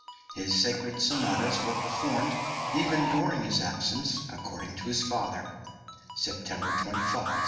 His sacred sonatas were performed even during his absence, according to his father (September 25, 1777).